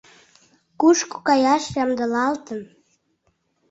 — Кушко каяш ямдылалтын?